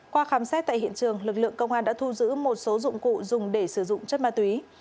qua khám xét tại hiện trường lực lượng công an đã thu giữ một số dụng cụ dùng để sử dụng chất ma túy